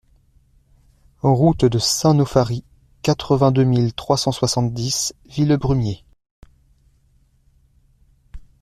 Route de Saint-Nauphary, quatre-vingt-deux mille trois cent soixante-dix Villebrumier